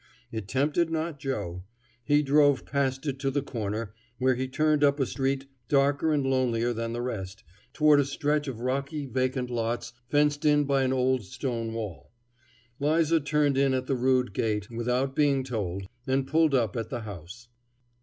It tempted not Joe. He drove past it to the corner, where he turned up a street darker and lonelier than the rest, toward a stretch of rocky, vacant lots fenced in by an old stone wall. 'Liza turned in at the rude gate without being told, and pulled up at the house.